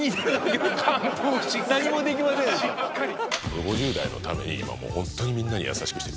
５０代のために今もうホントにみんなに優しくしてる。